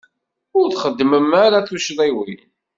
Ur txeddmem ara tuccḍiwin.